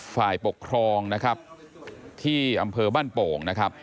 ฝ่ายปกครองนะครับที่อำเภอบ้านโป่งนะครับ